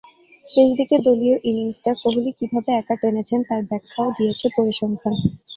শেষ দিকে দলীয় ইনিংসটা কোহলি কীভাবে একা টেনেছেন তাঁর ব্যাখ্যাও দিয়েছে পরিসংখ্যান।